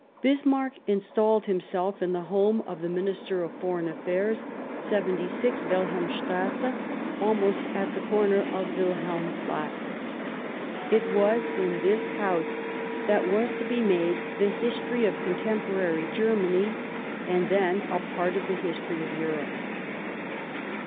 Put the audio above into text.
Bismarck installed himself in the home of the Minister of Foreign Affairs, 76 Wilhelmstrasse, almost at the corner of the Wilhelmplatz ; it was in this house that was to be made the history of contemporary Germany, and then a part of the history of Europe.